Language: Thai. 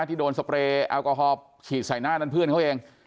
ที่โดนสเปรย์แอลกอฮอล์ฉีดใส่หน้านั้นเพื่อนเขาเอง